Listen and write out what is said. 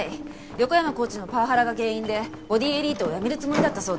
横山コーチのパワハラが原因でボディエリートを辞めるつもりだったそうです。